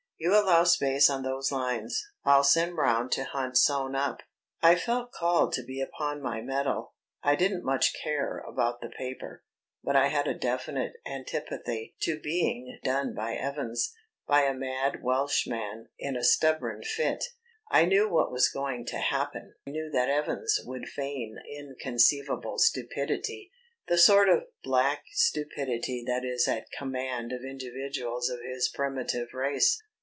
You allow space on those lines. I'll send round to hunt Soane up." I felt called to be upon my mettle. I didn't much care about the paper, but I had a definite antipathy to being done by Evans by a mad Welshman in a stubborn fit. I knew what was going to happen; knew that Evans would feign inconceivable stupidity, the sort of black stupidity that is at command of individuals of his primitive race.